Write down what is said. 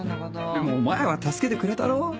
でも前は助けてくれたろ？